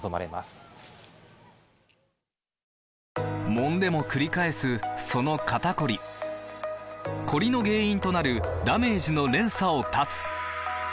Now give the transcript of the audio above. もんでもくり返すその肩こりコリの原因となるダメージの連鎖を断つ！